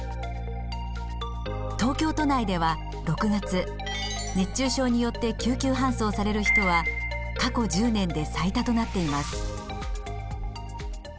東京都内では６月熱中症によって救急搬送される人は過去１０年で最多となっています。